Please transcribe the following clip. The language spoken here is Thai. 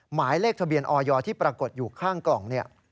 หมายเลขทะเบียนออยที่ปรากฏอยู่ข้างกล่องเนี่ย